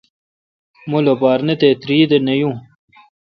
مہ لوپار نہ تہ تیردہ نہ یون۔